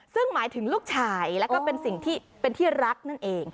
ซึ่งหมายถึงลูกฉายและก็เป็นสิ่งที่รักนั่นเอง